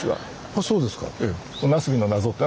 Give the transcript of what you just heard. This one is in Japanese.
あそうですか。